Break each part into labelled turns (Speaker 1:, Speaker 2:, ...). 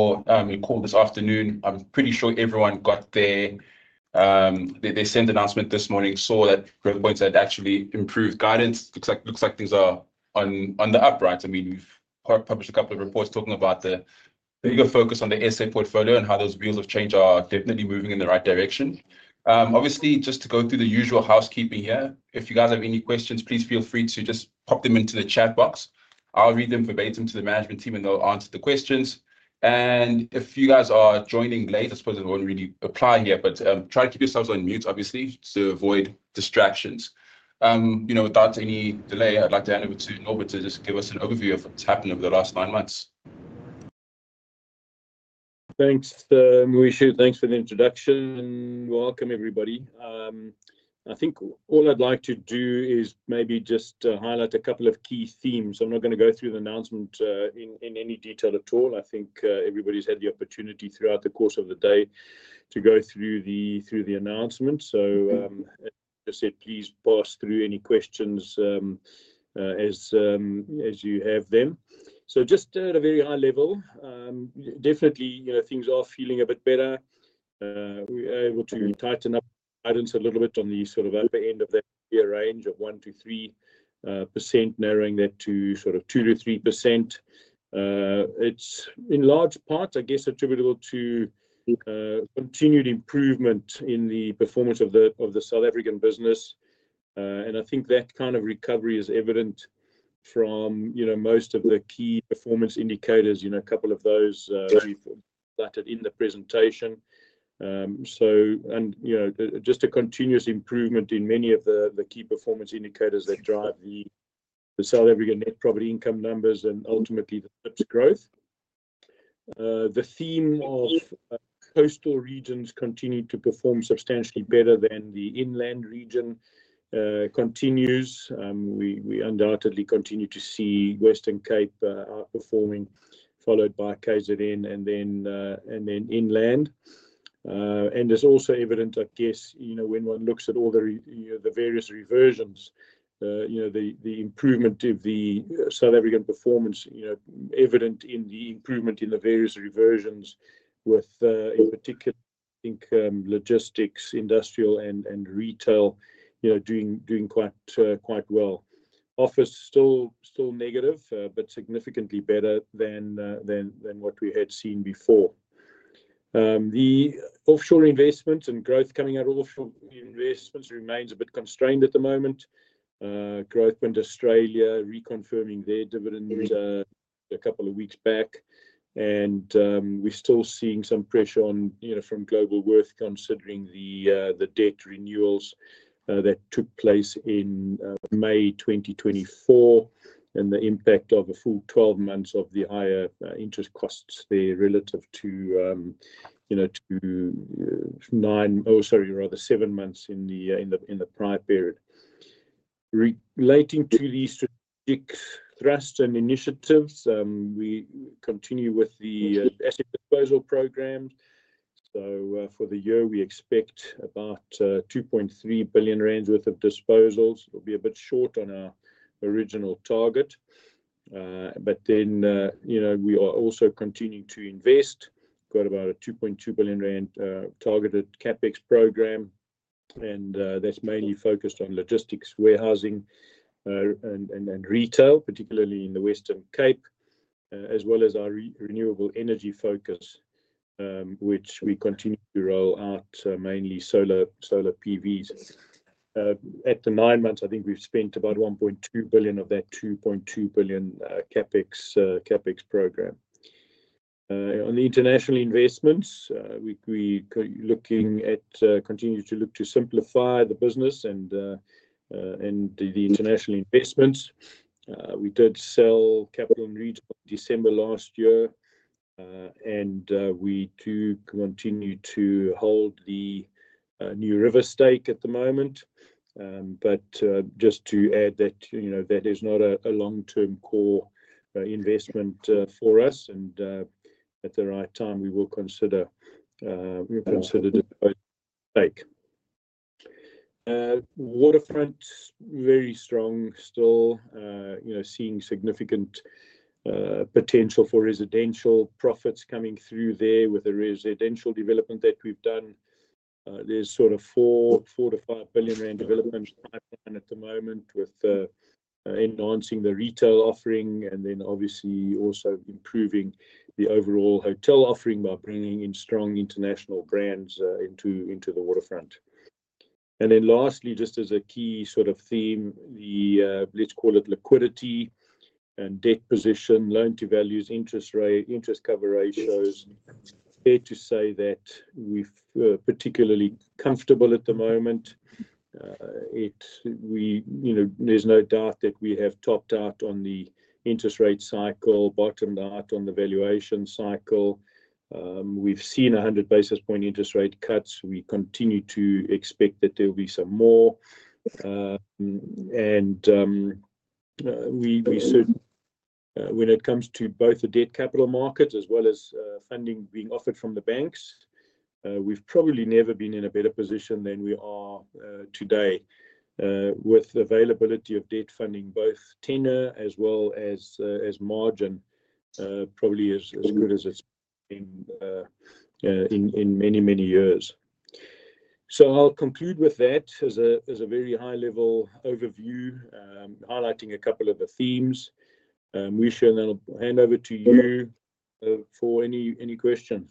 Speaker 1: Record this afternoon. I'm pretty sure everyone got their announcement this morning, saw that Growthpoint has actually improved guidance. Looks like things are on the up, right? I mean, we've published a couple of reports talking about the bigger focus on the asset portfolio and how those wheels of change are definitely moving in the right direction. Obviously, just to go through the usual housekeeping here, if you guys have any questions, please feel free to just pop them into the chat box. I'll read them verbatim to the management team, and they'll answer the questions. If you guys are joining late, I suppose it won't really apply here, but try to keep yourselves on mute, obviously, to avoid distractions. you know, without any delay, I'd like to hand over to Norbert to just give us an overview of what's happened over the last nine months.
Speaker 2: Thanks, Mauricio. Thanks for the introduction. Welcome, everybody. I think all I'd like to do is maybe just highlight a couple of key themes. I'm not going to go through the announcement in any detail at all. I think everybody's had the opportunity throughout the course of the day to go through the announcement. As I said, please pass through any questions as you have them. Just at a very high level, definitely, you know, things are feeling a bit better. We were able to tighten up guidance a little bit on the sort of upper end of that range of 1-3%, narrowing that to sort of 2-3%. It's in large part, I guess, attributable to continued improvement in the performance of the South African business. I think that kind of recovery is evident from, you know, most of the key performance indicators, you know, a couple of those, we've cited in the presentation. Just a continuous improvement in many of the key performance indicators that drive the South African net property income numbers and ultimately the growth. The theme of coastal regions continuing to perform substantially better than the inland region continues. We undoubtedly continue to see Western Cape outperforming, followed by KZN, and then inland. It is also evident, I guess, you know, when one looks at all the various reversions, you know, the improvement of the South African performance, you know, evident in the improvement in the various reversions, with, in particular, I think, logistics, industrial, and retail, you know, doing quite well. Office still, still negative, but significantly better than what we had seen before. The offshore investments and growth coming out of offshore investments remains a bit constrained at the moment. Growthpoint Australia reconfirming their dividend a couple of weeks back. We are still seeing some pressure on, you know, from Globalworth, considering the debt renewals that took place in May 2024, and the impact of a full 12 months of the higher interest costs there relative to, you know, to seven months in the prior period. Relating to the strategic thrusts and initiatives, we continue with the asset disposal programs. For the year, we expect about 2.3 billion rand worth of disposals. It'll be a bit short on our original target, but then, you know, we are also continuing to invest. We've got about 2.2 billion rand, targeted CapEx program. That is mainly focused on logistics, warehousing, and retail, particularly in the Western Cape, as well as our renewable energy focus, which we continue to roll out, mainly solar, solar PVs. At the nine months, I think we've spent about 1.2 billion of that 2.2 billion CapEx program. On the international investments, we are looking at, continue to look to simplify the business and the international investments. We did sell Capital & Regional in December last year. We do continue to hold the NewRiver stake at the moment, but just to add that, you know, that is not a long-term core investment for us. At the right time, we will consider, we'll consider the stake. Waterfront, very strong still, you know, seeing significant potential for residential profits coming through there with the residential development that we've done. There's sort of 4 billion-5 billion rand development pipeline at the moment with enhancing the retail offering, and then obviously also improving the overall hotel offering by bringing in strong international brands into the Waterfront. Lastly, just as a key sort of theme, the, let's call it liquidity and debt position, loan-to-values, interest rate, interest cover ratios. Fair to say that we're particularly comfortable at the moment. It, we, you know, there's no doubt that we have topped out on the interest rate cycle, bottomed out on the valuation cycle. We've seen 100 basis point interest rate cuts. We continue to expect that there'll be some more. We certainly, when it comes to both the debt capital markets as well as funding being offered from the banks, have probably never been in a better position than we are today, with availability of debt funding, both tenor as well as margin, probably as good as it has been in many, many years. I will conclude with that as a very high-level overview, highlighting a couple of the themes. Mauricio, I will hand over to you for any question.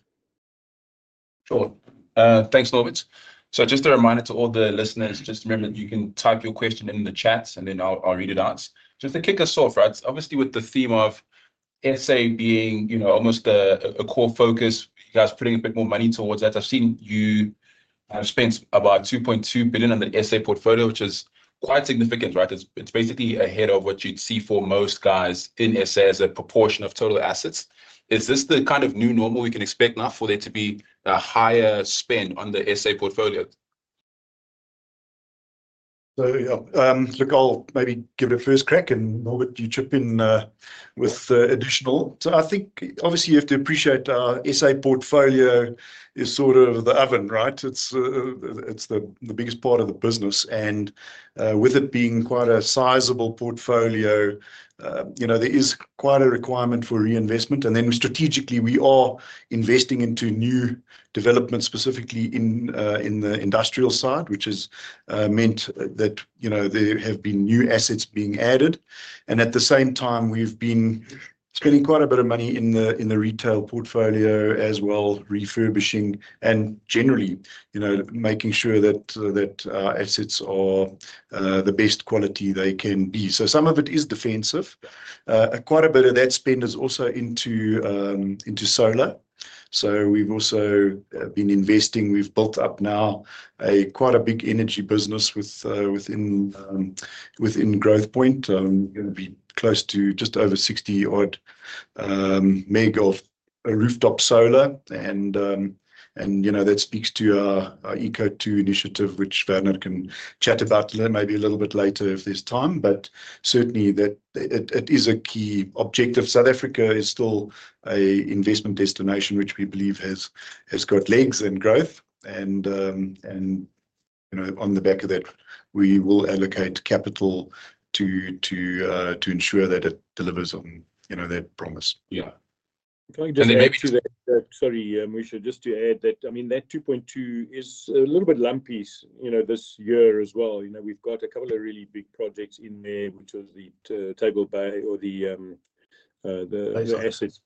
Speaker 1: Sure. Thanks, Norbert. Just a reminder to all the listeners, just remember that you can type your question in the chat, and then I'll read it out. Just to kick us off, right, obviously with the theme of SA being, you know, almost a core focus, you guys putting a bit more money towards that. I've seen you have spent about 2.2 billion on the SA portfolio, which is quite significant, right? It's basically ahead of what you'd see for most guys in SA as a proportion of total assets. Is this the kind of new normal we can expect now for there to be a higher spend on the SA portfolio?
Speaker 3: Yeah, I'll maybe give it a first crack, and Norbert, you chip in with additional. I think obviously you have to appreciate our SA portfolio is sort of the oven, right? It's the biggest part of the business. With it being quite a sizable portfolio, there is quite a requirement for reinvestment. Strategically, we are investing into new developments, specifically in the industrial side, which has meant that there have been new assets being added. At the same time, we've been spending quite a bit of money in the retail portfolio as well, refurbishing and generally making sure that our assets are the best quality they can be. Some of it is defensive. Quite a bit of that spend is also into solar. We've also been investing. We've built up now quite a big energy business within Growthpoint. We're going to be close to just over 60 odd meg of rooftop solar. And, you know, that speaks to our e-CO2 initiative, which Bernard can chat about maybe a little bit later if there's time. Certainly, it is a key objective. South Africa is still an investment destination, which we believe has got legs and growth. You know, on the back of that, we will allocate capital to ensure that it delivers on that promise.
Speaker 2: Yeah. And then maybe just to add, sorry, Mauricio, just to add that, I mean, that 2.2 is a little bit lumpy, you know, this year as well. You know, we've got a couple of really big projects in there, which are the Table Bay or the assets,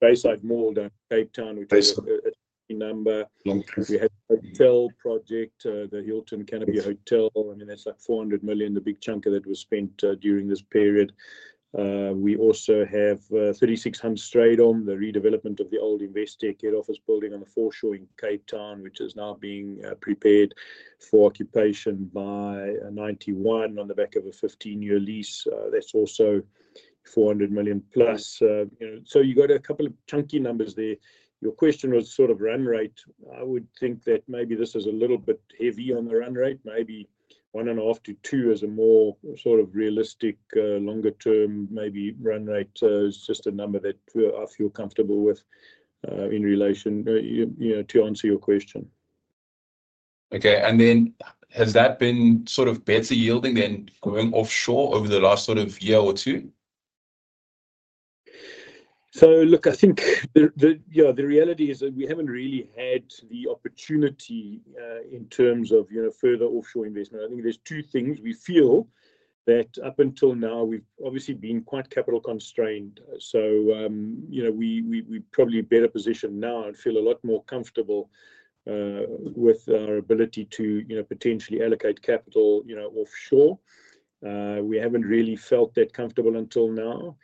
Speaker 2: Bayside Mall down in Cape Town, which is a number. We have a hotel project, the Hilton Canopy Hotel. I mean, that's like 400 million, the big chunk of that was spent during this period. We also have 3600 Hans Strijdom, the redevelopment of the old Invest Decade office building on the foreshore in Cape Town, which is now being prepared for occupation by '91 on the back of a 15-year lease. That's also 400 million plus, you know. So you've got a couple of chunky numbers there. Your question was sort of run rate. I would think that maybe this is a little bit heavy on the run rate, maybe one and a half to two as a more sort of realistic, longer term, maybe run rate. It is just a number that I feel comfortable with, in relation, you know, to answer your question.
Speaker 1: Okay. Has that been sort of better yielding than going offshore over the last year or two?
Speaker 2: I think the reality is that we haven't really had the opportunity, in terms of, you know, further offshore investment. I think there are two things. We feel that up until now, we've obviously been quite capital constrained. We are probably in a better position now and feel a lot more comfortable with our ability to potentially allocate capital offshore. We haven't really felt that comfortable until now.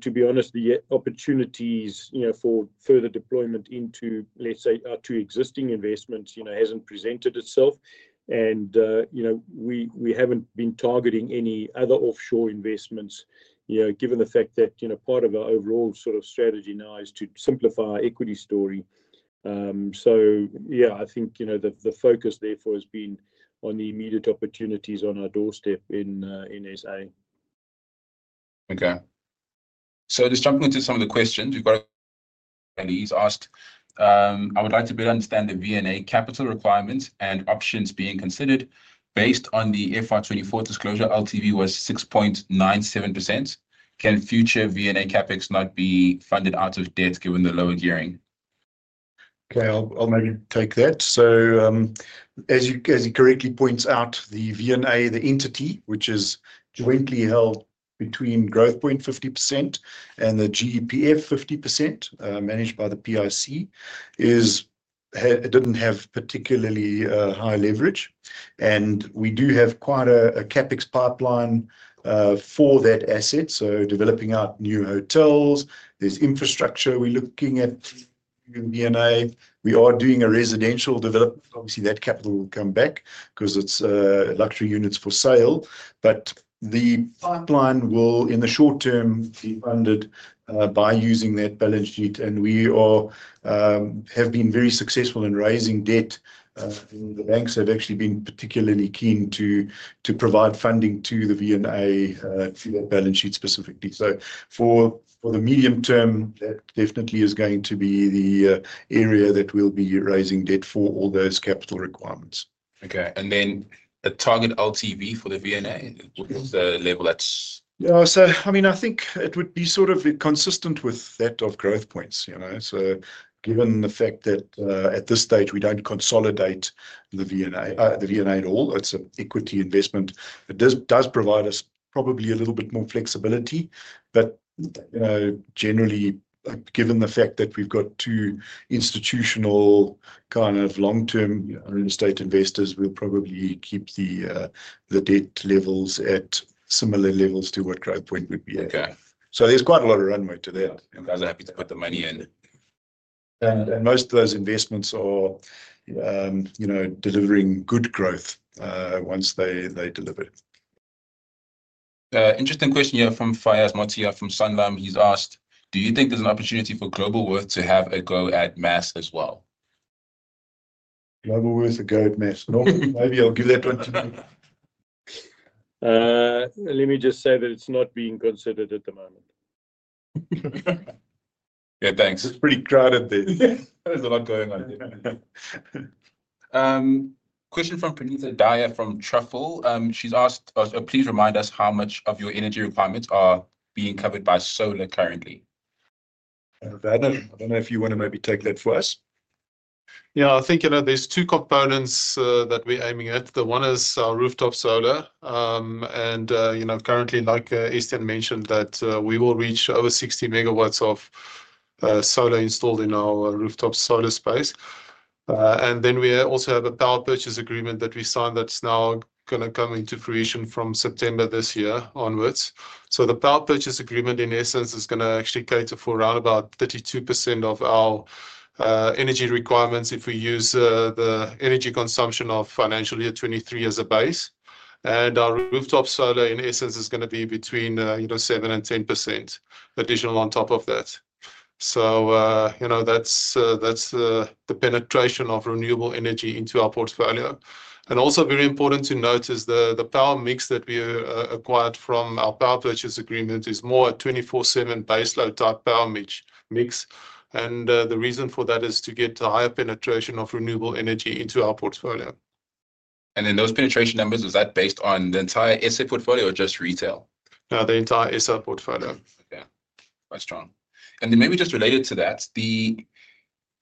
Speaker 2: To be honest, the opportunities for further deployment into, let's say, our two existing investments, haven't presented themselves. We haven't been targeting any other offshore investments, given the fact that part of our overall sort of strategy now is to simplify our equity story. Yeah, I think, you know, the focus therefore has been on the immediate opportunities on our doorstep in SA.
Speaker 1: Okay. So just jumping into some of the questions, we've got a few at least asked. I would like to better understand the V&A capital requirements and options being considered based on the FY 24 disclosure. LTV was 6.97%. Can future V&A CapEx not be funded out of debt given the lower gearing?
Speaker 3: Okay, I'll maybe take that. As you correctly point out, the V&A, the entity which is jointly held between Growthpoint 50% and the GEPF 50%, managed by the PIC, it did not have particularly high leverage. We do have quite a CapEx pipeline for that asset. Developing out new hotels, there is infrastructure we are looking at in V&A. We are doing a residential development. Obviously, that capital will come back because it is luxury units for sale. The pipeline will, in the short term, be funded by using that balance sheet. We have been very successful in raising debt. The banks have actually been particularly keen to provide funding to the V&A through that balance sheet specifically. For the medium term, that definitely is going to be the area that we will be raising debt for all those capital requirements.
Speaker 1: Okay. And then the target LTV for the V&A, what's the level that's?
Speaker 3: Yeah. I mean, I think it would be sort of consistent with that of Growthpoint's, you know. Given the fact that, at this stage, we do not consolidate the V&A, the V&A at all, it is an equity investment. It does provide us probably a little bit more flexibility. You know, generally, given the fact that we have two institutional kind of long-term real estate investors, we will probably keep the debt levels at similar levels to what Growthpoint would be at.
Speaker 1: Okay.
Speaker 3: There's quite a lot of runway to that.
Speaker 1: You guys are happy to put the money in.
Speaker 3: Most of those investments are, you know, delivering good growth, once they deliver.
Speaker 1: Interesting question here from Faiyaz Motia from Sunland. He's asked, do you think there's an opportunity for Globalworth to have a go at Mass as well?
Speaker 3: Globalworth a go at Mass? No, maybe I'll give that one to you.
Speaker 2: Let me just say that it's not being considered at the moment.
Speaker 1: Yeah, thanks.
Speaker 2: It's pretty crowded there. There's a lot going on there.
Speaker 1: Question from Pranita Daya from Truffle. She's asked, please remind us how much of your energy requirements are being covered by solar currently.
Speaker 3: Bernard, I don't know if you want to maybe take that for us.
Speaker 4: Yeah, I think, you know, there's two components that we're aiming at. The one is our rooftop solar, and, you know, currently, like Estienne mentioned, we will reach over 60 megawatts of solar installed in our rooftop solar space. We also have a power purchase agreement that we signed that's now going to come into fruition from September this year onwards. The power purchase agreement, in essence, is going to actually cater for around 32% of our energy requirements if we use the energy consumption of financial year 2023 as a base. Our rooftop solar, in essence, is going to be between, you know, 7-10% additional on top of that. You know, that's the penetration of renewable energy into our portfolio. Also very important to note is the power mix that we acquired from our power purchase agreement is more a 24/7 baseload type power mix. The reason for that is to get a higher penetration of renewable energy into our portfolio.
Speaker 1: Were those penetration numbers based on the entire SA portfolio or just retail?
Speaker 4: No, the entire SA portfolio.
Speaker 1: Okay. Quite strong. Maybe just related to that,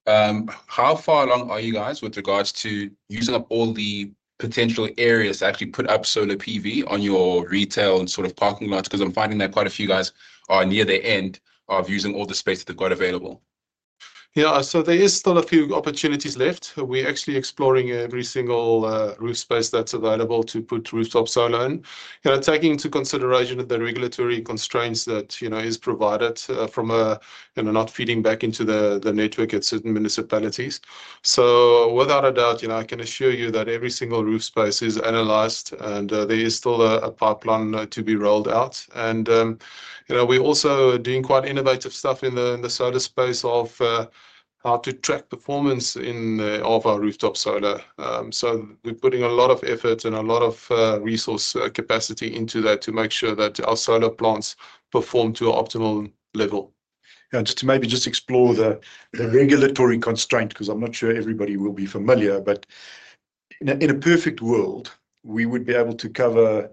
Speaker 1: how far along are you guys with regards to using up all the potential areas to actually put up solar PV on your retail and sort of parking lots? Because I'm finding that quite a few guys are near the end of using all the space that they've got available.
Speaker 4: Yeah. There are still a few opportunities left. We're actually exploring every single roof space that's available to put rooftop solar in. You know, taking into consideration the regulatory constraints that, you know, are provided from a, you know, not feeding back into the network at certain municipalities. Without a doubt, you know, I can assure you that every single roof space is analyzed and there is still a pipeline to be rolled out. You know, we're also doing quite innovative stuff in the solar space of how to track performance of our rooftop solar. We're putting a lot of effort and a lot of resource capacity into that to make sure that our solar plants perform to an optimal level.
Speaker 3: Yeah. Just to maybe explore the regulatory constraint, because I'm not sure everybody will be familiar, but in a perfect world, we would be able to cover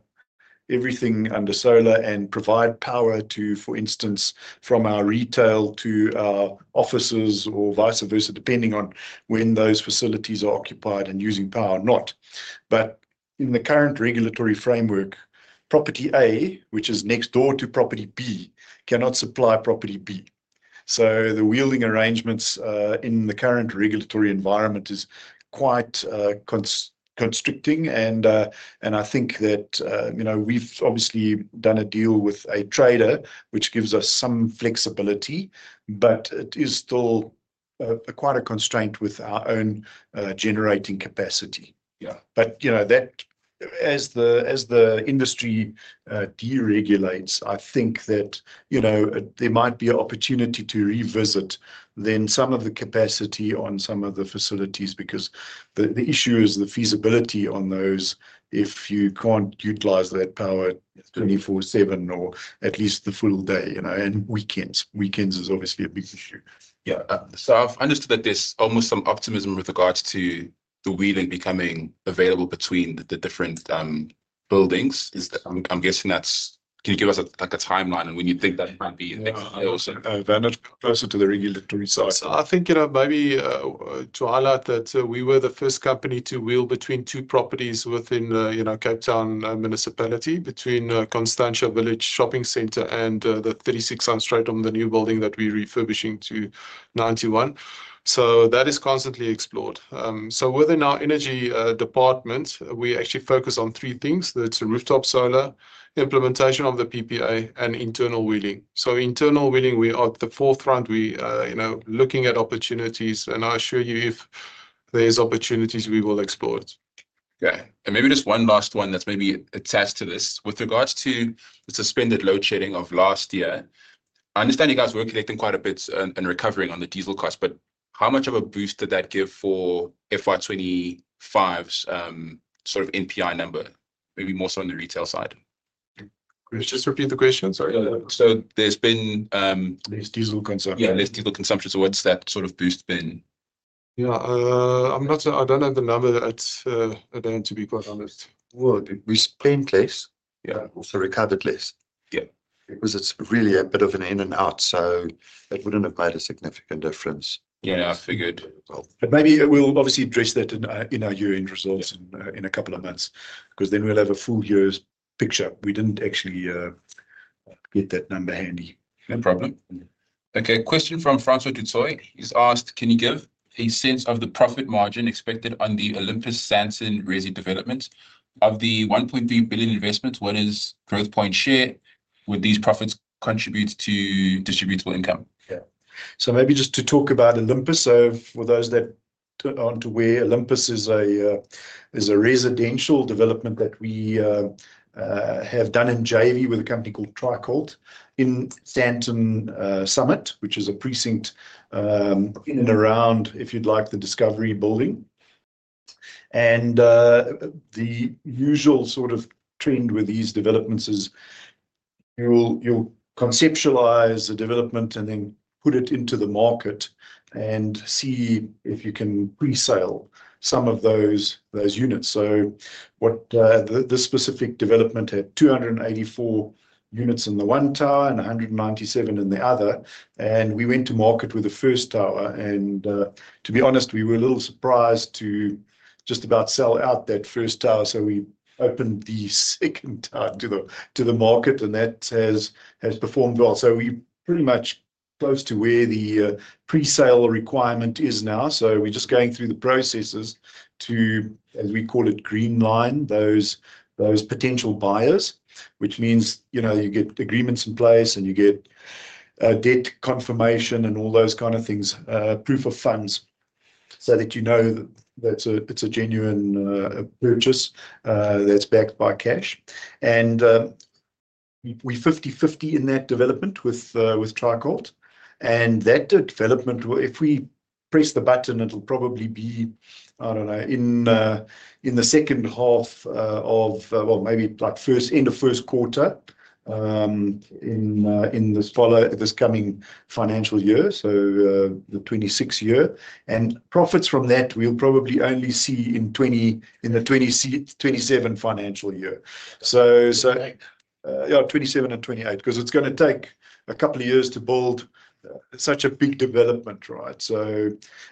Speaker 3: everything under solar and provide power to, for instance, from our retail to our offices or vice versa, depending on when those facilities are occupied and using power or not. In the current regulatory framework, property A, which is next door to property B, cannot supply property B. The wheeling arrangements in the current regulatory environment are quite constricting. I think that, you know, we've obviously done a deal with a trader, which gives us some flexibility, but it is still quite a constraint with our own generating capacity.
Speaker 4: Yeah.
Speaker 3: You know, as the industry deregulates, I think that, you know, there might be an opportunity to revisit then some of the capacity on some of the facilities, because the issue is the feasibility on those. If you can't utilize that power 24/7 or at least the full day, you know, and weekends. Weekends is obviously a big issue.
Speaker 1: Yeah. I've understood that there's almost some optimism with regards to the wheeling becoming available between the different buildings. Is that, I'm guessing that's, can you give us a, like a timeline and when you think that might be next year or so?
Speaker 4: Bernard, closer to the regulatory side. I think, you know, maybe to highlight that we were the first company to wheel between two properties within, you know, Cape Town municipality, between Constantia Village Shopping Centre and the 36 Hans Strijdom on the new building that we're refurbishing to 91. That is constantly explored. Within our energy department, we actually focus on three things. That's rooftop solar, implementation of the PPA, and internal wheeling. Internal wheeling, we are at the forefront. We, you know, looking at opportunities and I assure you if there's opportunities, we will explore it.
Speaker 1: Okay. Maybe just one last one that's maybe attached to this with regards to the suspended load shedding of last year. I understand you guys were collecting quite a bit and recovering on the diesel costs, but how much of a boost did that give for FY 25's, sort of NPI number, maybe more so on the retail side?
Speaker 4: Chris, just repeat the question. Sorry.
Speaker 1: Yeah. So there's been,
Speaker 3: Less diesel consumption.
Speaker 1: Yeah, less diesel consumption. What's that sort of boost been?
Speaker 4: Yeah. I don't have the number at the end, to be quite honest.
Speaker 2: Well, we. In place.
Speaker 1: Yeah.
Speaker 2: Also recovered less.
Speaker 1: Yeah.
Speaker 2: Because it's really a bit of an in and out. That wouldn't have made a significant difference.
Speaker 1: Yeah. I figured.
Speaker 3: Maybe we'll obviously address that in our year-end results in a couple of months because then we'll have a full year's picture. We didn't actually get that number handy.
Speaker 1: No problem. Okay. Question from François Dutoit is asked, can you give a sense of the profit margin expected on the Olympus Sandton Resi development of the 1.3 billion investments? What is Growthpoint share? Would these profits contribute to distributable income?
Speaker 3: Yeah. Maybe just to talk about Olympus. For those that do not know where Olympus is, it is a residential development that we have done in JV with a company called Tricord in Sandton Summit, which is a precinct in and around, if you like, the Discovery building. The usual sort of trend with these developments is you will conceptualize the development and then put it into the market and see if you can pre-sale some of those units. The specific development had 284 units in the one tower and 197 in the other. We went to market with the first tower. To be honest, we were a little surprised to just about sell out that first tower. We opened the second tower to the market, and that has performed well. We are pretty much close to where the pre-sale requirement is now. We are just going through the processes to, as we call it, green line those potential buyers, which means, you know, you get agreements in place and you get debt confirmation and all those kind of things, proof of funds so that, you know, that is a genuine purchase that is backed by cash. We are 50/50 in that development with Tricord. That development, if we press the button, it will probably be, I do not know, in the second half, maybe like end of first quarter, in this coming financial year, so the 2026 year. Profits from that, we will probably only see in the 2027 financial year. Yeah, 2027 and 2028, because it's going to take a couple of years to build such a big development, right?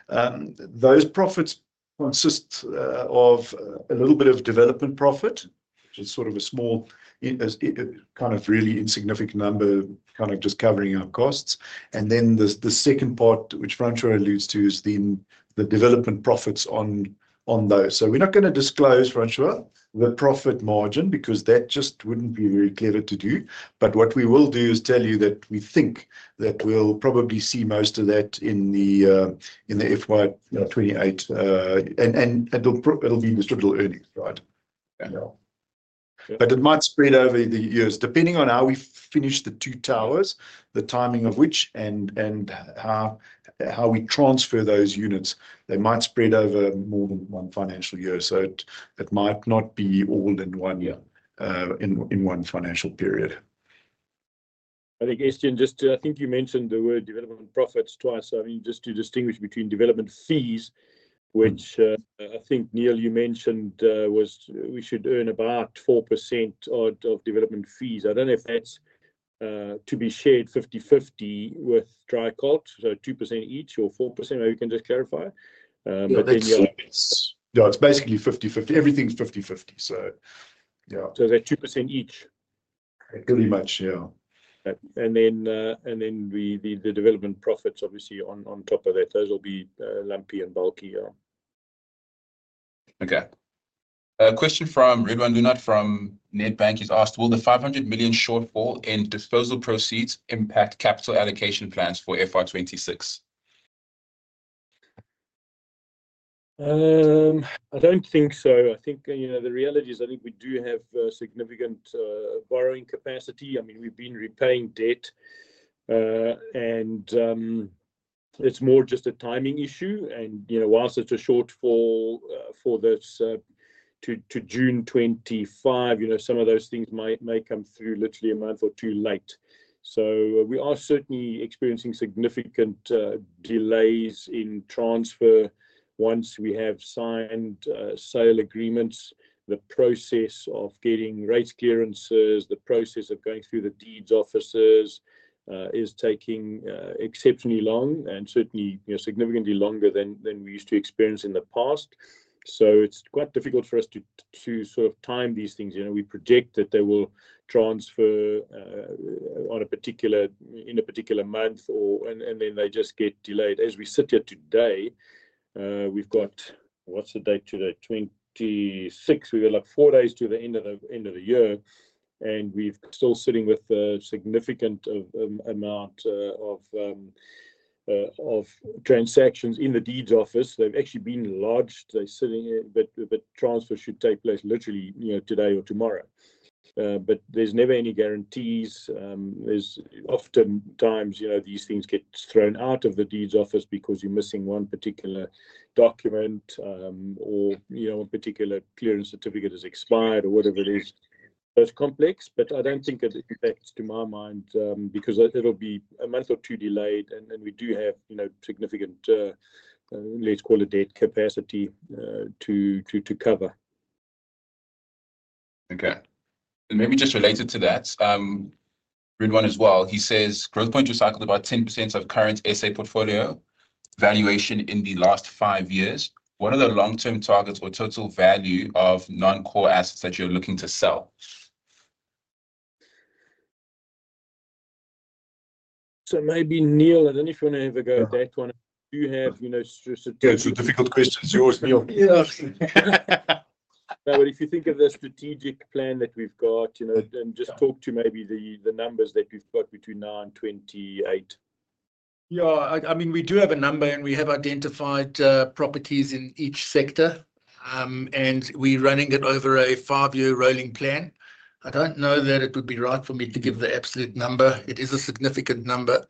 Speaker 3: Those profits consist of a little bit of development profit, which is sort of a small, kind of really insignificant number, kind of just covering our costs. The second part, which François alludes to, is then the development profits on those. We're not going to disclose, François, the profit margin because that just wouldn't be very clever to do. What we will do is tell you that we think that we'll probably see most of that in the FY 2028, and it'll be distributable earnings, right?
Speaker 1: Yeah.
Speaker 3: It might spread over the years, depending on how we finish the two towers, the timing of which, and how we transfer those units. They might spread over more than one financial year. It might not be all in one year, in one financial period.
Speaker 2: I think, Estienne, just to, I think you mentioned the word development profits twice. I mean, just to distinguish between development fees, which, I think Neil you mentioned, was we should earn about 4% of, of development fees. I don't know if that's to be shared 50/50 with Tricord, so 2% each or 4%. Maybe you can just clarify. but then yeah.
Speaker 3: No, it's basically 50/50. Everything's 50/50. So yeah.
Speaker 2: Is that 2% each?
Speaker 3: Pretty much. Yeah.
Speaker 2: Then we, the development profits, obviously on top of that, those will be lumpy and bulky.
Speaker 1: Okay. Question from Ridwaan Loonat from Nedbank is asked, will the 500 million shortfall in disposal proceeds impact capital allocation plans for FY 2026?
Speaker 2: I don't think so. I think, you know, the reality is I think we do have significant borrowing capacity. I mean, we've been repaying debt, and it's more just a timing issue. You know, whilst it's a shortfall for this to June 2025, some of those things may come through literally a month or two late. We are certainly experiencing significant delays in transfer once we have signed sale agreements. The process of getting rate clearances, the process of going through the deeds officers, is taking exceptionally long and certainly, you know, significantly longer than we used to experience in the past. It's quite difficult for us to sort of time these things. You know, we project that they will transfer in a particular month, and then they just get delayed. As we sit here today, we've got, what's the date today? 26. We've got like four days to the end of the year. And we're still sitting with a significant amount of transactions in the deeds office. They've actually been lodged. They're sitting here, but transfer should take place literally, you know, today or tomorrow. There's never any guarantees. There's often times, you know, these things get thrown out of the deeds office because you're missing one particular document, or, you know, one particular clearance certificate has expired or whatever it is. It's complex, but I don't think it impacts to my mind, because it'll be a month or two delayed. We do have, you know, significant, let's call it debt capacity, to cover.
Speaker 1: Okay. Maybe just related to that, Ridwaan as well, he says, Growthpoint recycled about 10% of current SA portfolio valuation in the last five years. What are the long-term targets or total value of non-core assets that you're looking to sell?
Speaker 2: Maybe Neil, I do not know if you want to have a go at that one. Do you have, you know, strategic?
Speaker 3: Yeah. Difficult questions.
Speaker 2: Yeah. If you think of the strategic plan that we've got, you know, and just talk to maybe the numbers that we've got between now and 2028.
Speaker 5: Yeah. I mean, we do have a number and we have identified properties in each sector, and we're running it over a five-year rolling plan. I don't know that it would be right for me to give the absolute number. It is a significant number.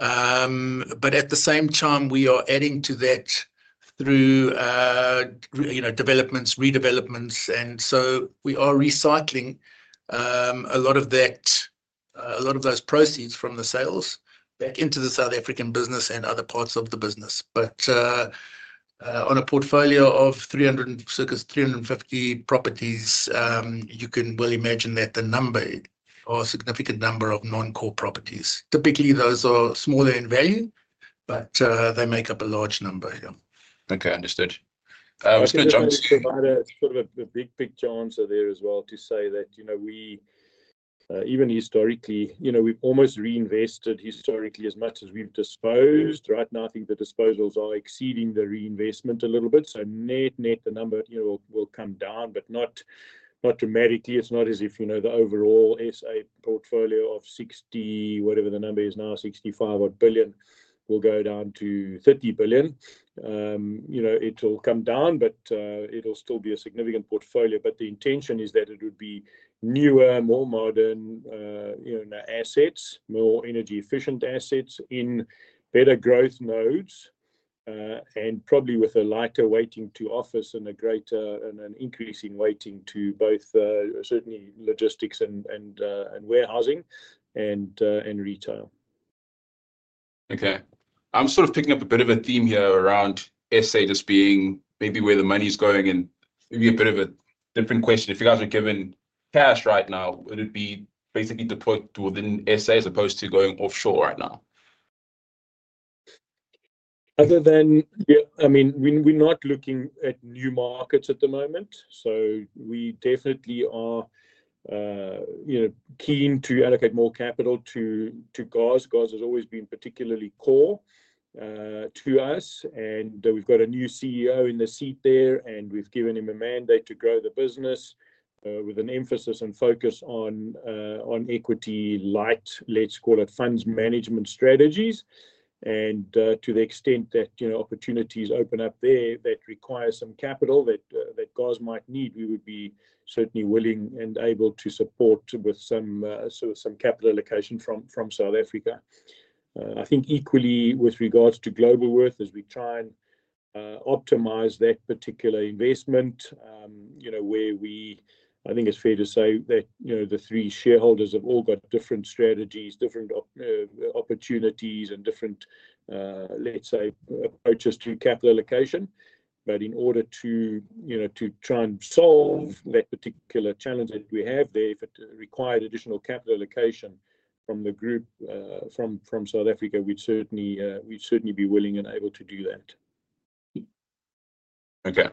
Speaker 5: At the same time, we are adding to that through, you know, developments, redevelopments. We are recycling a lot of that, a lot of those proceeds from the sales back into the South African business and other parts of the business. On a portfolio of 300, circa 350 properties, you can well imagine that there are a significant number of non-core properties. Typically, those are smaller in value, but they make up a large number. Yeah.
Speaker 1: Okay. Understood. I was going to jump.
Speaker 2: It's sort of a big, big chance there as well to say that, you know, we, even historically, you know, we've almost reinvested historically as much as we've disposed, right? I think the disposals are exceeding the reinvestment a little bit. So net, net the number, you know, will come down, but not, not dramatically. It's not as if, you know, the overall SA portfolio of 60, whatever the number is now, 65 or billion will go down to 30 billion. You know, it'll come down, but it'll still be a significant portfolio. The intention is that it would be newer, more modern, you know, assets, more energy efficient assets in better growth nodes, and probably with a lighter weighting to office and a greater, and an increasing weighting to both, certainly logistics and, and, and warehousing and, and retail.
Speaker 1: Okay. I'm sort of picking up a bit of a theme here around SA just being maybe where the money's going and maybe a bit of a different question. If you guys are given cash right now, would it be basically deployed within SA as opposed to going offshore right now?
Speaker 2: Other than, yeah, I mean, we, we're not looking at new markets at the moment. We definitely are, you know, keen to allocate more capital to, to GOZ. GOZ has always been particularly core, to us. We've got a new CEO in the seat there and we've given him a mandate to grow the business, with an emphasis and focus on, on equity light, let's call it funds management strategies. To the extent that, you know, opportunities open up there that require some capital that, that GOZ might need, we would be certainly willing and able to support with some, sort of some capital allocation from, from South Africa. I think equally with regards to Globalworth, as we try and optimize that particular investment, you know, where we, I think it's fair to say that, you know, the three shareholders have all got different strategies, different opportunities and different, let's say, approaches to capital allocation. In order to, you know, to try and solve that particular challenge that we have there, if it required additional capital allocation from the group, from South Africa, we'd certainly be willing and able to do that.
Speaker 1: Okay.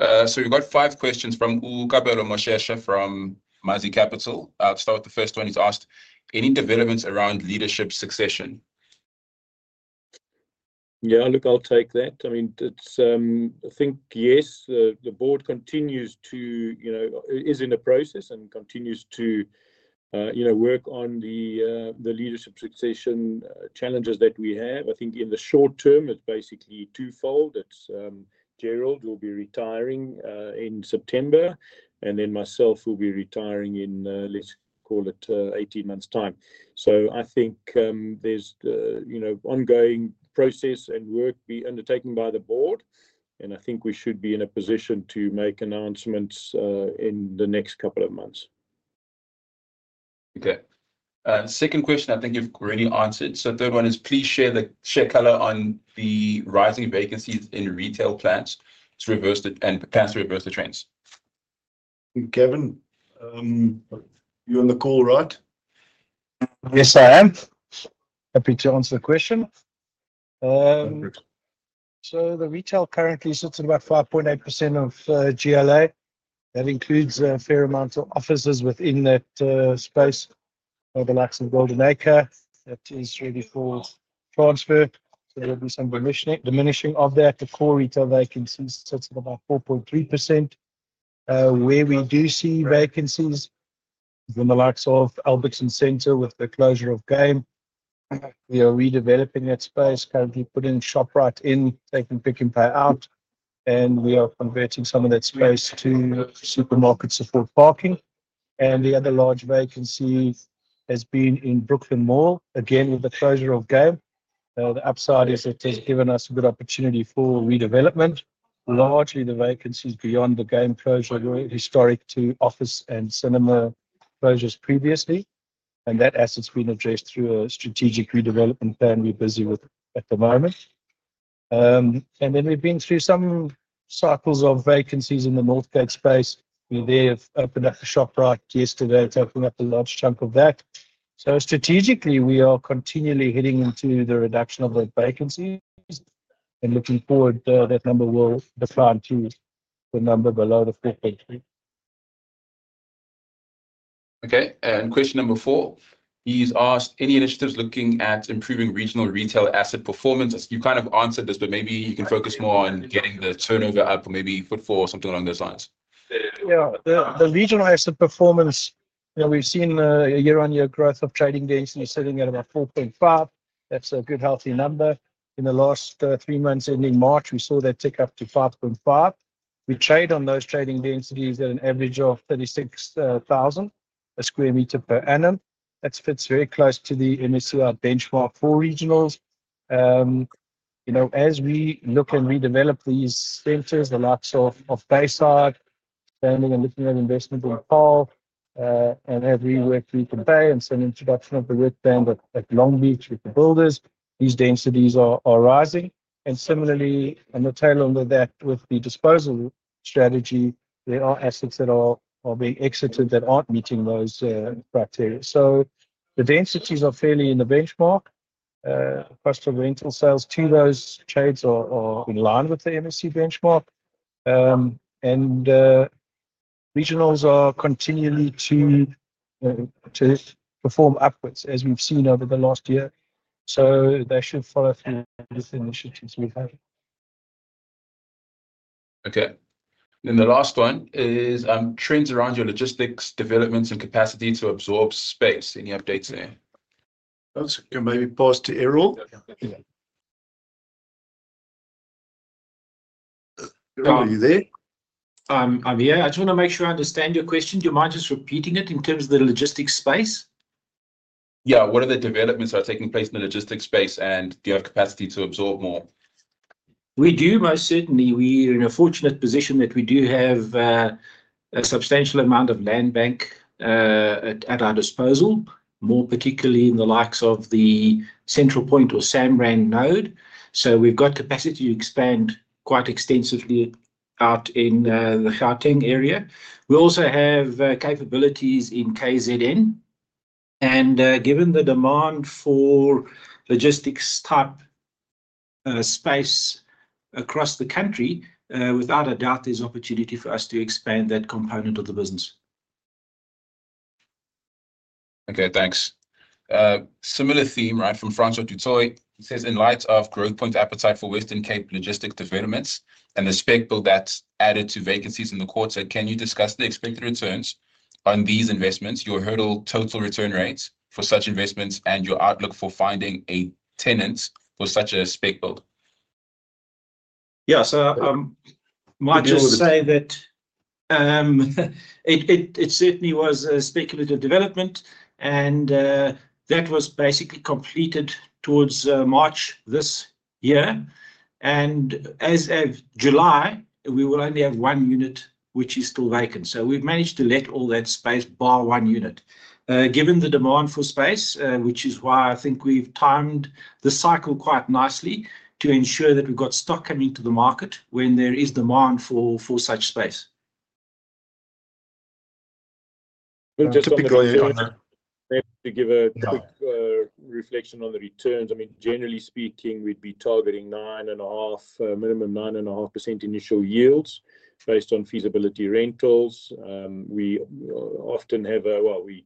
Speaker 1: So we've got five questions from our Kabelo Moshesha from Mazi Capital. I'll start with the first one. He's asked, any developments around leadership succession?
Speaker 2: Yeah, look, I'll take that. I mean, I think yes, the board continues to, you know, is in the process and continues to, you know, work on the leadership succession challenges that we have. I think in the short term, it's basically twofold. It's Gerald will be retiring in September, and then myself will be retiring in, let's call it, 18 months' time. I think there's, you know, ongoing process and work being undertaken by the board, and I think we should be in a position to make announcements in the next couple of months.
Speaker 1: Okay. Second question, I think you've already answered. Third one is, please share the color on the rising vacancies in retail, plans to reverse that and paths to reverse the trends.
Speaker 3: Kevin, you're on the call, right?
Speaker 4: Yes, I am. Happy to answer the question. The retail currently sits at about 5.8% of GLA. That includes a fair amount of offices within that space, the likes of Golden Acre that is ready for transfer. There will be some diminishing of that. The core retail vacancies sit at about 4.3%. Where we do see vacancies is in the likes of Alberton Centre with the closure of Game. We are redeveloping that space, currently putting Shoprite in, taking Pick n Pay out, and we are converting some of that space to supermarket support parking. The other large vacancy has been in Brooklyn Mall, again with the closure of Game. The upside is it has given us a good opportunity for redevelopment. Largely, the vacancies beyond the Game closure were historic to office and cinema closures previously, and that asset has been addressed through a strategic redevelopment plan we are busy with at the moment. and then we've been through some cycles of vacancies in the Northgate space. We there have opened up the Shoprite yesterday, taking up a large chunk of that. So strategically, we are continually heading into the reduction of the vacancies and looking forward, that number will decline to the number below the 4.3%.
Speaker 1: Okay. Question number four, he's asked, any initiatives looking at improving regional retail asset performance? You kind of answered this, but maybe you can focus more on getting the turnover up or maybe footfall or something along those lines.
Speaker 4: Yeah, the regional asset performance, you know, we've seen a year-on-year growth of trading density sitting at about 4.5%. That's a good healthy number. In the last three months ending March, we saw that tick up to 5.5%. We trade on those trading densities at an average of 36,000 a square meter per annum. That fits very close to the MSCI benchmark for regionals. You know, as we look and redevelop these centers, the likes of Bayside standing and looking at investment in Paarl, and as we work through today and some introduction of the Red Band at Long Beach with the builders, these densities are rising. Similarly, the tail under that with the disposal strategy, there are assets that are being exited that aren't meeting those criteria. The densities are fairly in the benchmark, across the rental sales to those trades are in line with the MSCI benchmark. Regionals are continuing to perform upwards as we've seen over the last year. They should follow through with initiatives we have.
Speaker 1: Okay. Then the last one is, trends around your logistics developments and capacity to absorb space. Any updates there?
Speaker 3: That's, you know, maybe pause to Errol. Errol, are you there?
Speaker 6: I'm here. I just want to make sure I understand your question. Do you mind just repeating it in terms of the logistics space?
Speaker 1: Yeah. What are the developments that are taking place in the logistics space, and do you have capacity to absorb more?
Speaker 6: We do, most certainly. We are in a fortunate position that we do have a substantial amount of land bank at our disposal, more particularly in the likes of the Centralpoint or Samrand node. We have capacity to expand quite extensively out in the Charting area. We also have capabilities in KZN. Given the demand for logistics-type space across the country, without a doubt, there is opportunity for us to expand that component of the business.
Speaker 1: Okay. Thanks. Similar theme, right, from François Dutoit. He says, in light of Growthpoint appetite for Western Cape logistic developments and the spec build that's added to vacancies in the Coastsite, can you discuss the expected returns on these investments, your hurdle total return rates for such investments, and your outlook for finding a tenant for such a spec build?
Speaker 6: Yeah. I might just say that it certainly was a speculative development, and that was basically completed towards March this year. As of July, we will only have one unit which is still vacant. We have managed to let all that space but one unit, given the demand for space, which is why I think we have timed the cycle quite nicely to ensure that we have got stock coming to the market when there is demand for such space.
Speaker 2: Just to give a quick reflection on the returns, I mean, generally speaking, we'd be targeting 9.5%, minimum 9.5% initial yields based on feasibility rentals. We often have a, well, we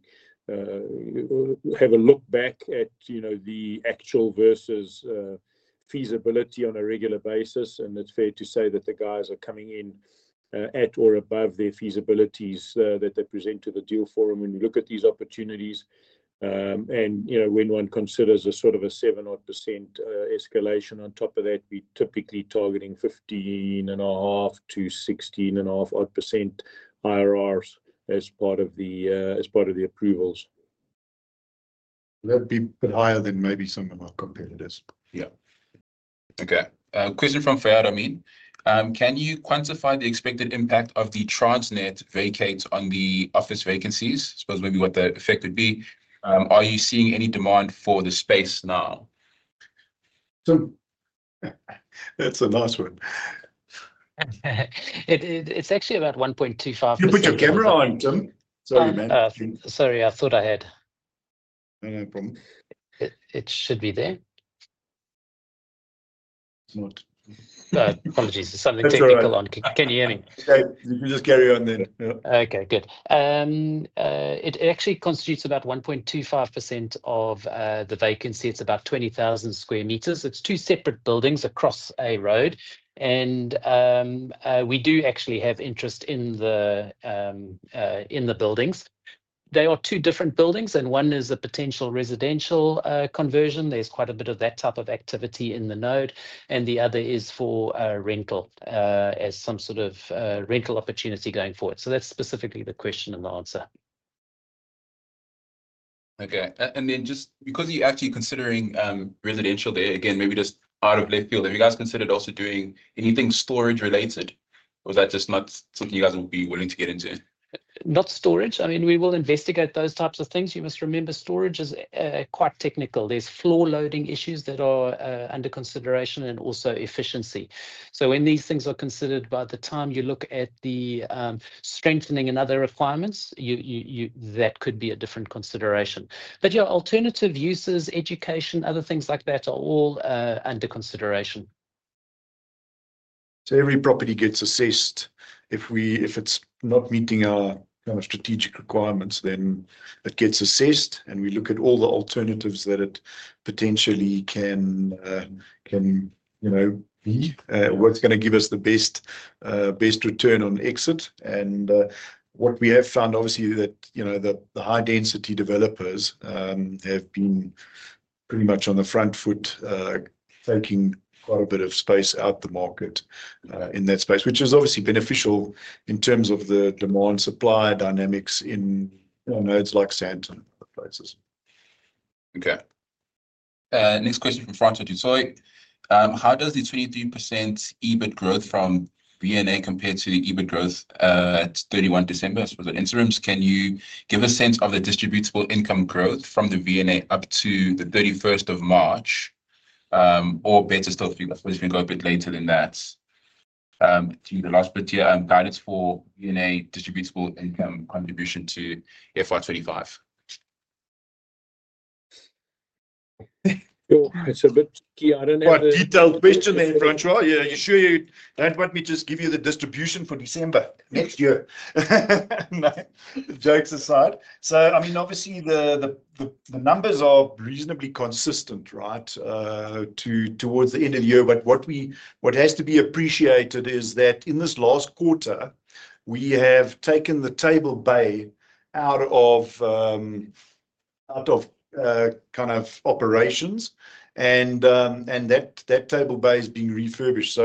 Speaker 2: have a look back at, you know, the actual versus feasibility on a regular basis. And it's fair to say that the guys are coming in at or above their feasibilities that they present to the deal forum when you look at these opportunities. You know, when one considers a sort of a 7% odd escalation on top of that, we typically targeting 15.5%-16.5% odd IRRs as part of the approvals.
Speaker 3: That'd be a bit higher than maybe some of our competitors.
Speaker 1: Yeah. Okay. Question from [Fyar Amid]. Can you quantify the expected impact of the Transnet vacates on the office vacancies? I suppose maybe what the effect would be. Are you seeing any demand for the space now?
Speaker 3: Tim, that's a nice one.
Speaker 7: It's actually about 1.25%.
Speaker 3: You put your camera on, Tim. Sorry, man.
Speaker 7: Sorry, I thought I had.
Speaker 3: No problem.
Speaker 7: It should be there.
Speaker 3: It's not.
Speaker 7: Apologies, it's something technical on Kenny Amin.
Speaker 3: Okay. You can just carry on then.
Speaker 7: Okay. Good. It actually constitutes about 1.25% of the vacancy. It's about 20,000 sq m. It's two separate buildings across a road. We do actually have interest in the buildings. They are two different buildings, and one is a potential residential conversion. There's quite a bit of that type of activity in the node. The other is for rental, as some sort of rental opportunity going forward. That's specifically the question and the answer.
Speaker 1: Okay. Just because you actually considering residential there, again, maybe just out of left field, have you guys considered also doing anything storage related? Or is that just not something you guys will be willing to get into?
Speaker 7: Not storage. I mean, we will investigate those types of things. You must remember storage is quite technical. There are floor loading issues that are under consideration and also efficiency. When these things are considered, by the time you look at the strengthening and other requirements, that could be a different consideration. Yeah, alternative uses, education, other things like that are all under consideration.
Speaker 3: Every property gets assessed. If it's not meeting our kind of strategic requirements, then it gets assessed and we look at all the alternatives that it potentially can, you know, be, what's going to give us the best return on exit. What we have found obviously is that, you know, the high density developers have been pretty much on the front foot, taking quite a bit of space out the market in that space, which is obviously beneficial in terms of the demand supply dynamics in, you know, nodes like Sandton and other places.
Speaker 1: Okay. Next question from François Dutoit. How does the 23% EBIT growth from V&A compare to the EBIT growth at 31 December? I suppose at interims, can you give a sense of the distributable income growth from the V&A up to the 31st of March, or better still, if we can go a bit later than that, to the last bit here, guidance for V&A distributable income contribution to FY 2025?
Speaker 3: It's a bit key. I don't have a detailed question there, François. Yeah. You sure you don't want me to just give you the distribution for December next year? Jokes aside, I mean, obviously the numbers are reasonably consistent, right, towards the end of the year. What has to be appreciated is that in this last quarter, we have taken the Table Bay out of operations, and that Table Bay is being refurbished.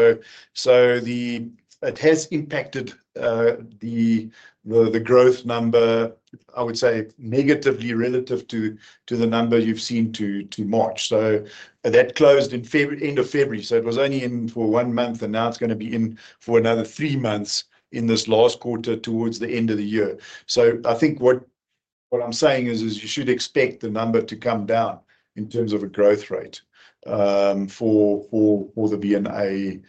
Speaker 3: It has impacted the growth number, I would say negatively relative to the number you have seen to March. That closed in February, end of February. It was only in for one month and now it is going to be in for another three months in this last quarter towards the end of the year. I think what I'm saying is you should expect the number to come down in terms of a growth rate for the V&A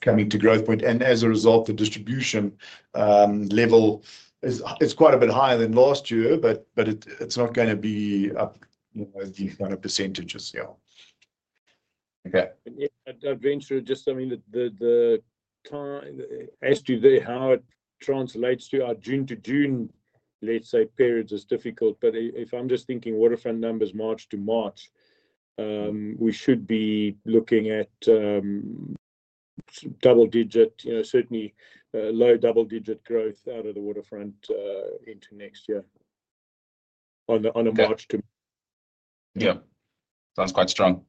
Speaker 3: coming to Growthpoint. As a result, the distribution level is quite a bit higher than last year, but it's not going to be up, you know, the kind of percentages here.
Speaker 1: Okay.
Speaker 2: Adventure, just, I mean, the time as to how it translates to our June to June, let's say, periods is difficult. If I'm just thinking waterfront numbers March to March, we should be looking at double digit, you know, certainly low double digit growth out of the waterfront into next year on the March to.
Speaker 1: Yeah. Sounds quite strong.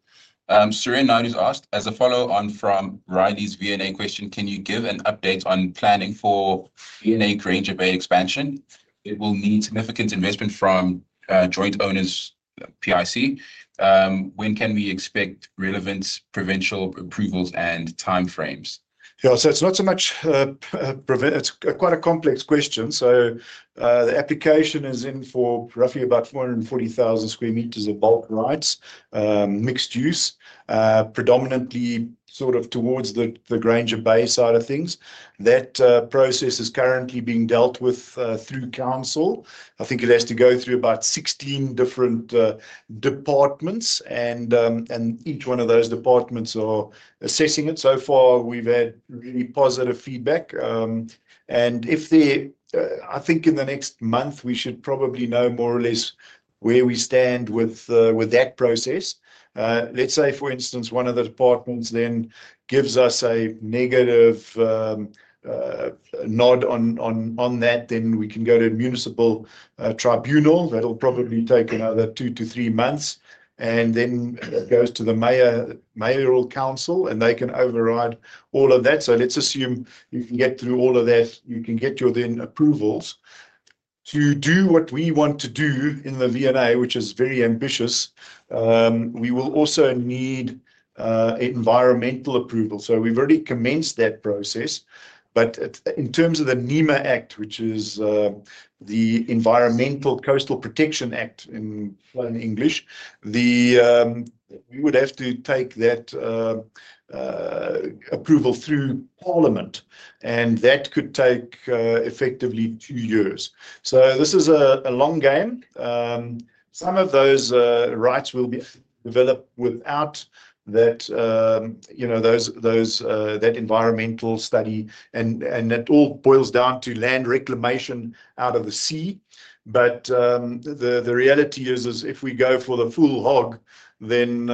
Speaker 1: [Serena] has asked as a follow-on from Riley's V&A question. Can you give an update on planning for V&A Granger Bay expansion? It will need significant investment from joint owners PIC. When can we expect relevant provincial approvals and timeframes?
Speaker 3: Yeah. It's not so much, it's quite a complex question. The application is in for roughly 440,000 sq m of bulk rights, mixed use, predominantly sort of towards the Granger Bay side of things. That process is currently being dealt with through council. I think it has to go through about 16 different departments, and each one of those departments are assessing it. So far, we've had really positive feedback. If they, I think in the next month, we should probably know more or less where we stand with that process. Let's say for instance, one of the departments then gives us a negative nod on that, then we can go to municipal tribunal. That'll probably take another two to three months and then it goes to the mayor, mayoral council and they can override all of that. Let's assume you can get through all of that, you can get your then approvals to do what we want to do in the V&A, which is very ambitious. We will also need environmental approval. We've already commenced that process, but in terms of the NEMA Act, which is the Environmental Coastal Protection Act in plain English, we would have to take that approval through parliament and that could take effectively two years. This is a long game. Some of those rights will be developed without that, you know, that environmental study, and it all boils down to land reclamation out of the sea. The reality is if we go for the full hog, then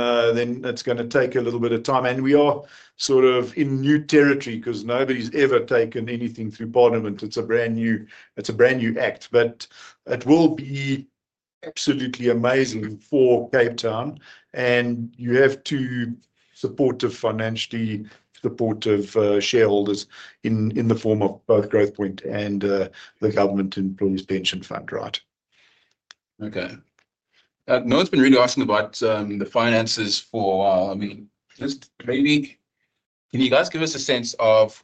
Speaker 3: it's going to take a little bit of time. We are sort of in new territory because nobody's ever taken anything through parliament. It is a brand new act, but it will be absolutely amazing for Cape Town. You have to support the financially supportive shareholders in the form of both Growthpoint and the Government Employees Pension Fund, right?
Speaker 1: Okay. No one's been really asking about the finances for, I mean, just maybe can you guys give us a sense of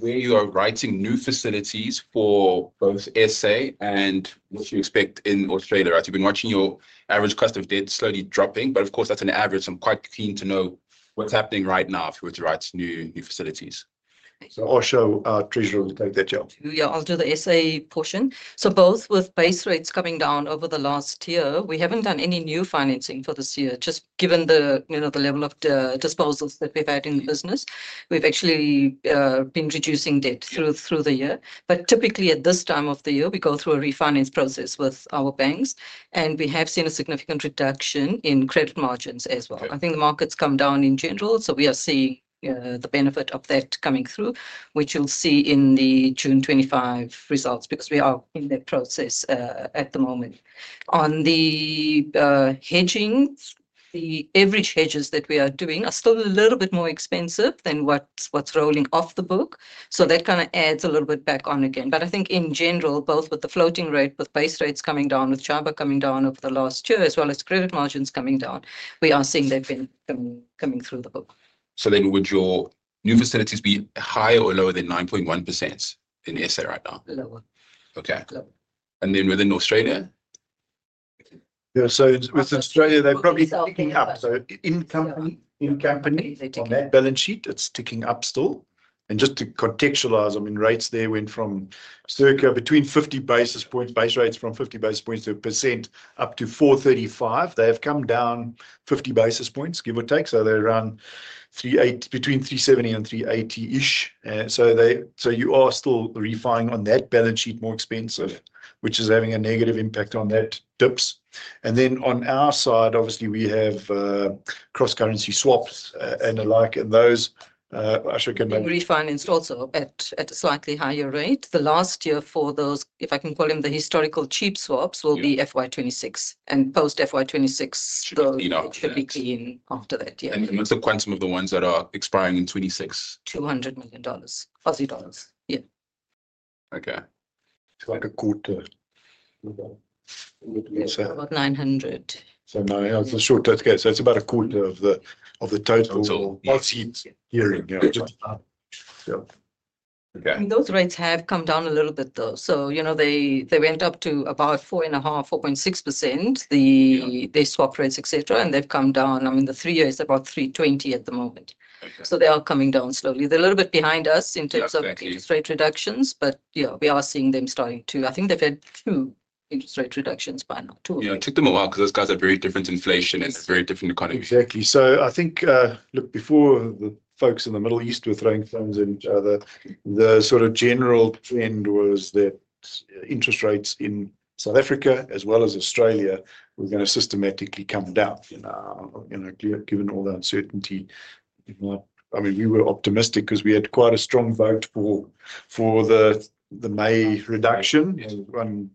Speaker 1: where you are writing new facilities for both SA and what you expect in Australia? Right. You've been watching your average cost of debt slowly dropping, but of course that's an average. I'm quite keen to know what's happening right now if you were to write new, new facilities.
Speaker 3: I'll show, Treasury will take that job.
Speaker 8: Yeah, I'll do the SA portion. Both with base rates coming down over the last year, we haven't done any new financing for this year, just given the, you know, the level of disposals that we've had in the business. We've actually been reducing debt through the year. Typically at this time of the year, we go through a refinance process with our banks and we have seen a significant reduction in credit margins as well. I think the market's come down in general. We are seeing the benefit of that coming through, which you'll see in the June 2025 results because we are in that process at the moment. On the hedging, the average hedges that we are doing are still a little bit more expensive than what's rolling off the book. That kind of adds a little bit back on again. I think in general, both with the floating rate, with base rates coming down, with charter coming down over the last year, as well as credit margins coming down, we are seeing they've been coming through the book.
Speaker 1: Would your new facilities be higher or lower than 9.1% in SA right now?
Speaker 8: Lower.
Speaker 1: Okay. And then within Australia?
Speaker 3: Yeah. With Australia, they're probably ticking up. In company, in company on that balance sheet, it's ticking up still. Just to contextualize, I mean, rates there went from circa between 50 basis points, base rates from 50 basis points to a percent up to 435. They have come down 50 basis points, give or take. They're around 380, between 370 and 380 ish. You are still refining on that balance sheet more expensive, which is having a negative impact on that dips. On our side, obviously we have cross currency swaps and the like in those. I should get my.
Speaker 8: Refinanced also at a slightly higher rate. The last year for those, if I can call them the historical cheap swaps, will be FY 2026, and post FY 2026 should be clean after that.
Speaker 1: What is the quantum of the ones that are expiring in 2026?
Speaker 8: 200 million Aussie dollars. Aussie dollars. Yeah.
Speaker 1: Okay.
Speaker 3: It's like a quarter.
Speaker 8: About 900.
Speaker 3: Now it's a short decade. It's about a quarter of the total hearing.
Speaker 1: Okay.
Speaker 8: I mean, those rates have come down a little bit though. You know, they went up to about 4.5%, 4.6%, the swap rates, et cetera, and they've come down. I mean, the three year is about 320 at the moment. They are coming down slowly. They're a little bit behind us in terms of interest rate reductions, but yeah, we are seeing them starting to, I think they've had two interest rate reductions by now.
Speaker 1: Yeah. It took them a while because those guys have very different inflation and very different economy.
Speaker 3: Exactly. I think, look, before the folks in the Middle East were throwing phones in, the sort of general trend was that interest rates in South Africa as well as Australia were going to systematically come down. You know, given all the uncertainty, I mean, we were optimistic because we had quite a strong vote for the May reduction and one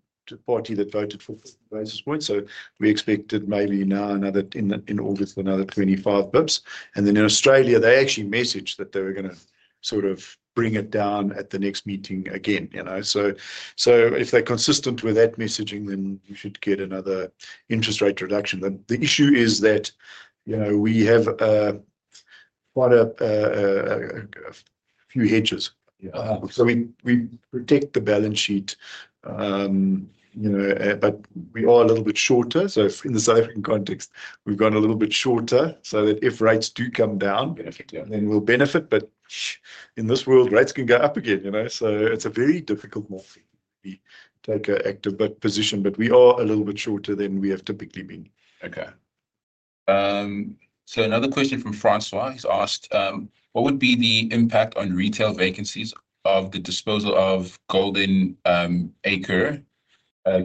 Speaker 3: party that voted for basis points. We expected maybe now another in August, another 25 basis points. In Australia, they actually messaged that they were going to sort of bring it down at the next meeting again, you know. If they are consistent with that messaging, then you should get another interest rate reduction. The issue is that we have quite a few hedges. We protect the balance sheet, you know, but we are a little bit shorter. In the South African context, we've gone a little bit shorter so that if rates do come down, then we'll benefit. In this world, rates can go up again, you know. It is a very difficult move to take an active position, but we are a little bit shorter than we have typically been.
Speaker 1: Okay. Another question from François has asked, what would be the impact on retail vacancies of the disposal of Golden Acre,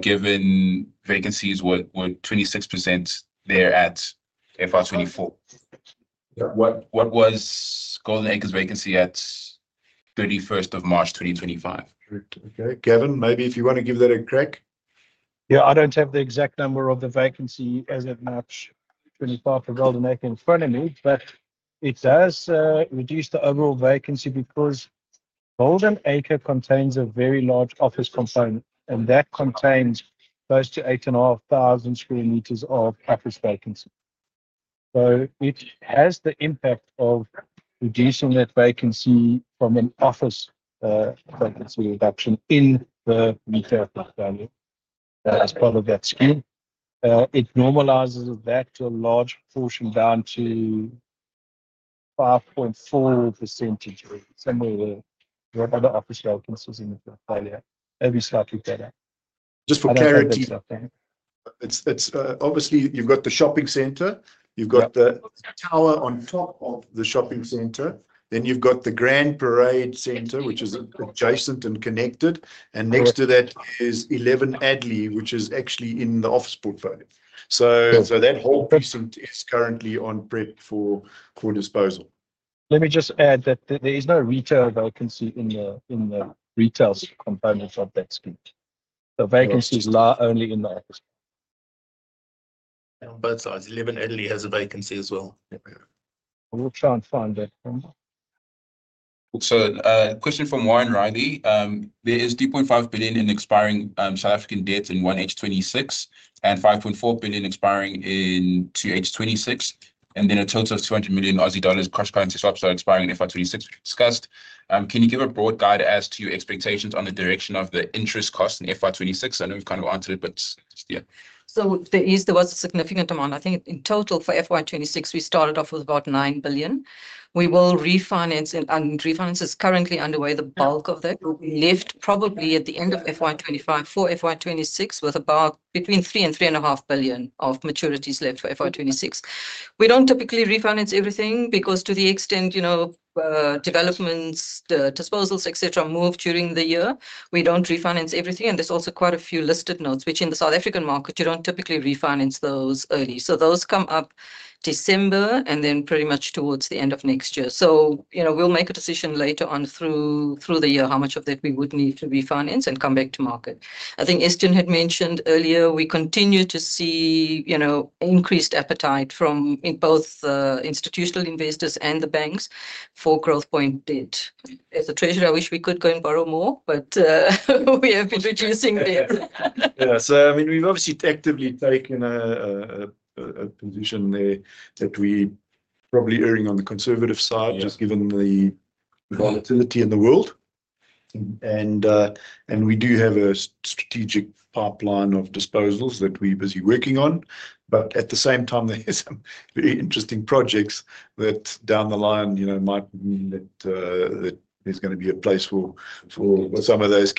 Speaker 1: given vacancies were 26% there at FY 2024? What was Golden Acre's vacancy at 31st of March 2025?
Speaker 3: Okay. Kevin, maybe if you want to give that a crack.
Speaker 4: Yeah. I don't have the exact number of the vacancy as it matched 25 for Golden Acre in front of me, but it does reduce the overall vacancy because Golden Acre contains a very large office component and that contains close to 8,500 sq m of office vacancy. So it has the impact of reducing that vacancy from an office vacancy reduction in the retail value. That's part of that scheme. It normalizes that to a large portion down to 5.4% rate somewhere where other office vacancies in Australia may be slightly better.
Speaker 3: Just for clarity. It's, it's obviously you've got the shopping center, you've got the tower on top of the shopping center, then you've got the Grand Parade Centre, which is adjacent and connected. Next to that is 11 Adderley, which is actually in the office portfolio. That whole piece is currently on prep for disposal.
Speaker 4: Let me just add that there is no retail vacancy in the retail components of that scheme. The vacancy is only in the office.
Speaker 3: On both sides, 11 Adderley has a vacancy as well.
Speaker 2: We'll try and find that.
Speaker 1: Also, question from Warren Riley. There is 2.5 billion in expiring South African debt in 1H 2026 and 5.4 billion expiring in 2H 2026. And then a total of 200 million Aussie dollars cross currency swaps are expiring in FY 2026, which we discussed. Can you give a broad guide as to your expectations on the direction of the interest cost in FY 2026? I know we've kind of answered it, but yeah.
Speaker 8: There was a significant amount. I think in total for FY 2026, we started off with about 9 billion. We will refinance, and refinance is currently underway. The bulk of that will be left probably at the end of FY 2025 for FY 2026 with about between 3 billion and 3.5 billion of maturities left for FY 2026. We do not typically refinance everything because to the extent, you know, developments, the disposals, et cetera, move during the year, we do not refinance everything. There are also quite a few listed notes, which in the South African market, you do not typically refinance those early. Those come up December and then pretty much towards the end of next year. You know, we will make a decision later on through the year how much of that we would need to refinance and come back to market. I think Estienne had mentioned earlier, we continue to see, you know, increased appetite from both institutional investors and the banks for Growthpoint debt. As a treasurer, I wish we could go and borrow more, but we have been reducing debt.
Speaker 3: Yeah. I mean, we've obviously actively taken a position there that we're probably earning on the conservative side, just given the volatility in the world. We do have a strategic pipeline of disposals that we're busy working on. At the same time, there are some very interesting projects that down the line, you know, might mean that there's going to be a place for some of that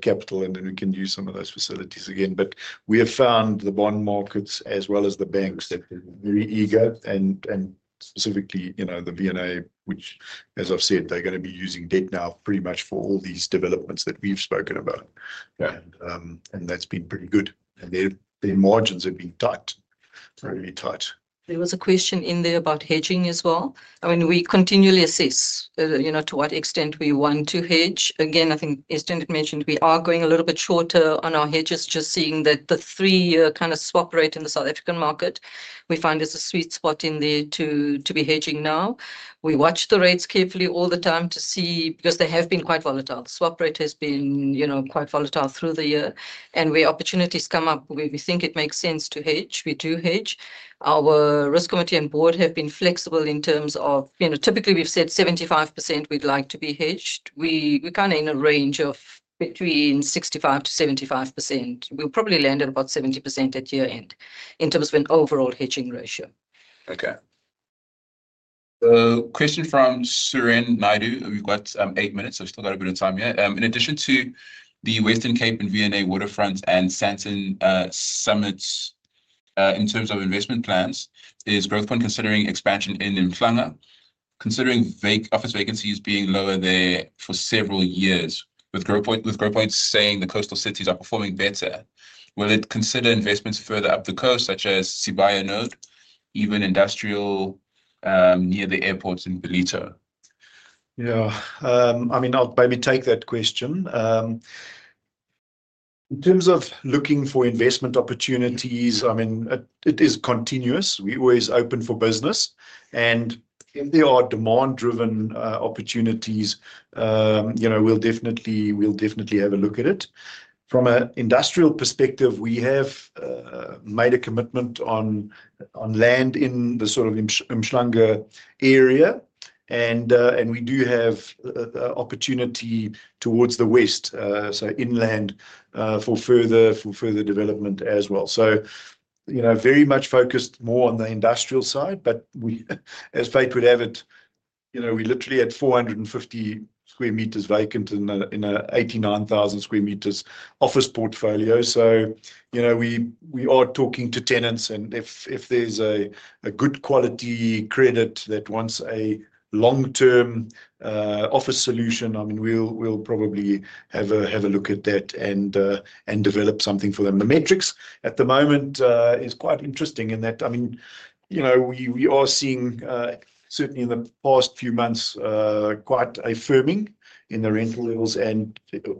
Speaker 3: capital, and then we can use some of those facilities again. We have found the bond markets as well as the banks are very eager, and specifically, you know, the V&A, which, as I've said, they're going to be using debt now pretty much for all these developments that we've spoken about. That's been pretty good. Their margins have been tight, very tight.
Speaker 8: There was a question in there about hedging as well. I mean, we continually assess, you know, to what extent we want to hedge. Again, I think Estienne had mentioned we are going a little bit shorter on our hedges, just seeing that the three-year kind of swap rate in the South African market, we find is a sweet spot in there to, to be hedging now. We watch the rates carefully all the time to see because they have been quite volatile. The swap rate has been, you know, quite volatile through the year. Where opportunities come up, we think it makes sense to hedge. We do hedge. Our risk committee and board have been flexible in terms of, you know, typically we've said 75% we'd like to be hedged. We, we kind of in a range of between 65-75%. We'll probably land at about 70% at year end in terms of an overall hedging ratio.
Speaker 1: Okay. Question from Soren Naidu. We've got eight minutes. We've still got a bit of time here. In addition to the Western Cape and V&A Waterfront and Sandton Summit, in terms of investment plans, is Growthpoint considering expansion in Infanta? Considering office vacancies being lower there for several years, with Growthpoint saying the coastal cities are performing better, will it consider investments further up the coast, such as Sibaya Node, even industrial, near the airports in Ballito?
Speaker 3: Yeah. I mean, I'll maybe take that question. In terms of looking for investment opportunities, I mean, it is continuous. We are always open for business. And if there are demand-driven opportunities, you know, we'll definitely, we'll definitely have a look at it. From an industrial perspective, we have made a commitment on land in the sort of uMhlanga area, and we do have an opportunity towards the west, so inland, for further development as well. You know, very much focused more on the industrial side, but we, as fate would have it, you know, we literally had 450 sq m vacant in a 89,000 sq m office portfolio. You know, we are talking to tenants and if there's a good quality credit that wants a long-term office solution, I mean, we'll probably have a look at that and develop something for them. The metrics at the moment are quite interesting in that, I mean, you know, we are seeing, certainly in the past few months, quite a firming in the rental levels.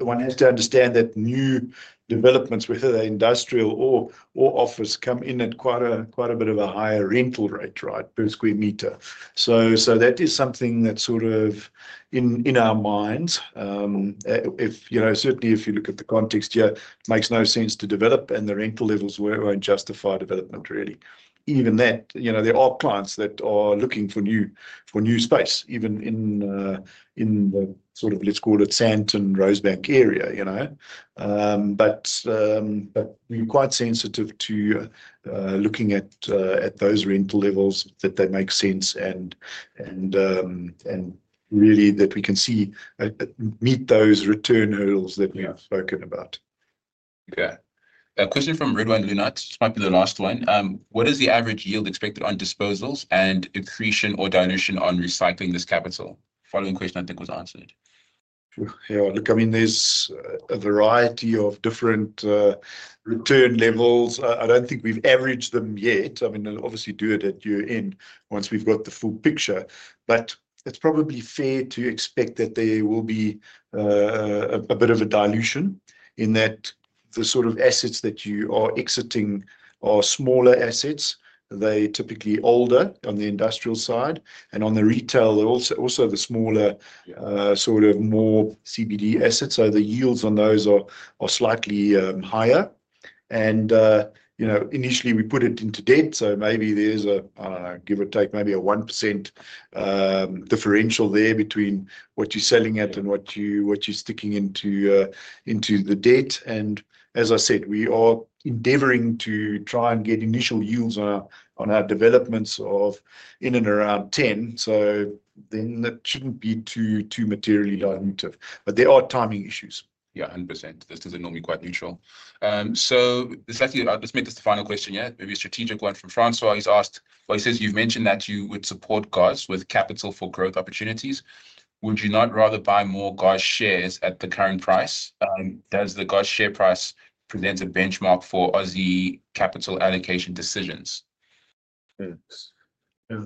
Speaker 3: One has to understand that new developments, whether they're industrial or office, come in at quite a bit of a higher rental rate per square meter. That is something that, in our minds, if you look at the context, it makes no sense to develop and the rental levels were unjustified development really. Even that, you know, there are clients that are looking for new, for new space, even in, in the sort of, let's call it Sandton Rosebank area, you know. We are quite sensitive to looking at those rental levels that they make sense and really that we can see, meet those return hurdles that we've spoken about.
Speaker 1: Okay. A question from Ridwaan Loonat. This might be the last one. What is the average yield expected on disposals and accretion or donation on recycling this capital? Following question, I think was answered.
Speaker 3: Yeah. Look, I mean, there's a variety of different return levels. I don't think we've averaged them yet. I mean, obviously do it at year end once we've got the full picture. It is probably fair to expect that there will be a bit of a dilution in that the sort of assets that you are exiting are smaller assets. They are typically older on the industrial side and on the retail, they are also the smaller, sort of more CBD assets. The yields on those are slightly higher. You know, initially we put it into debt. Maybe there is a, I don't know, give or take maybe a 1% differential there between what you're selling at and what you're sticking into the debt. As I said, we are endeavoring to try and get initial yields on our developments of in and around 10. That should not be too materially dilutive, but there are timing issues.
Speaker 1: Yeah. 100%. This is normally quite neutral. So this, let you, I'll just make this the final question yet. Maybe a strategic one from François. He's asked, well, he says, you've mentioned that you would support guys with capital for growth opportunities. Would you not rather buy more guys' shares at the current price? Does the guys' share price present a benchmark for Aussie capital allocation decisions?
Speaker 2: Yeah.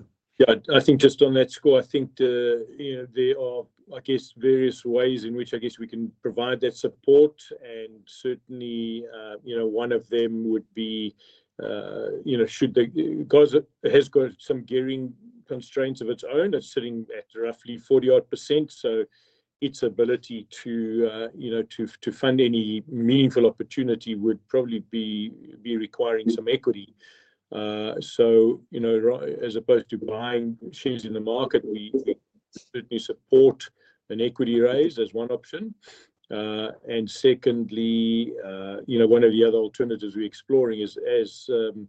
Speaker 2: I think just on that score, I think, you know, there are, I guess, various ways in which I guess we can provide that support. And certainly, you know, one of them would be, you know, should the guys have got some gearing constraints of its own. It's sitting at roughly 40% odd. So its ability to, you know, to fund any meaningful opportunity would probably be requiring some equity. You know, as opposed to buying shares in the market, we certainly support an equity raise as one option. And secondly, you know, one of the other alternatives we're exploring is, as, you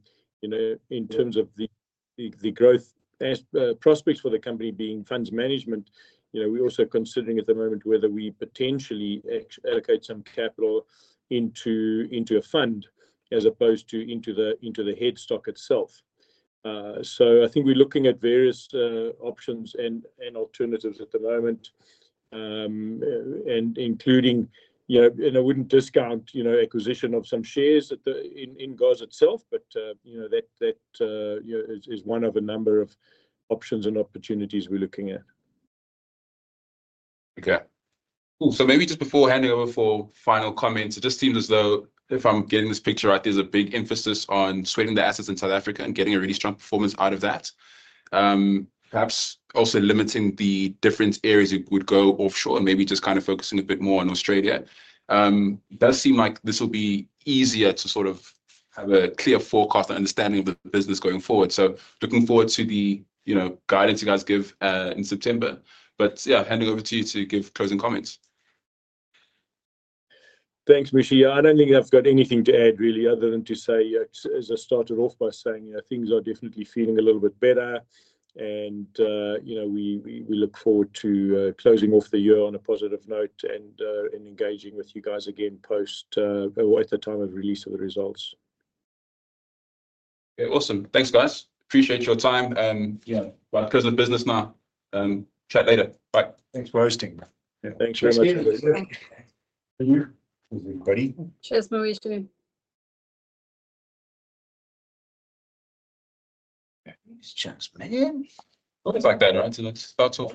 Speaker 2: know, in terms of the growth prospects for the company being funds management, you know, we're also considering at the moment whether we potentially allocate some capital into a fund as opposed to into the head stock itself. I think we're looking at various options and alternatives at the moment, including, you know, and I wouldn't discount, you know, acquisition of some shares in guys' itself, but, you know, that is one of a number of options and opportunities we're looking at.
Speaker 1: Okay. Cool. Maybe just before handing over for final comments, it just seems as though if I'm getting this picture right, there's a big emphasis on sweating the assets in South Africa and getting a really strong performance out of that. Perhaps also limiting the different areas you would go offshore and maybe just kind of focusing a bit more on Australia. It does seem like this will be easier to sort of have a clear forecast and understanding of the business going forward. Looking forward to the, you know, guidance you guys give in September. But yeah, handing over to you to give closing comments.
Speaker 2: Thanks, Mauricio. Yeah, I do not think I have got anything to add really other than to say, you know, as I started off by saying, you know, things are definitely feeling a little bit better. You know, we look forward to closing off the year on a positive note and engaging with you guys again post, or at the time of release of the results.
Speaker 1: Okay. Awesome. Thanks, guys. Appreciate your time. Yeah, right, closing business now. Chat later. Bye.
Speaker 2: Thanks for hosting. Yeah, thanks very much.
Speaker 1: Thank you.
Speaker 8: Cheers, Mauricio. Cheers, Mauricio. Cheers, man. Something like that, right? Let's start off.